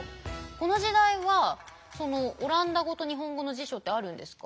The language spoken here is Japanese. この時代はそのオランダ語と日本語の辞書ってあるんですか？